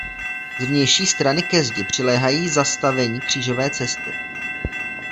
Z vnější strany ke zdi přiléhají zastavení křížové cesty.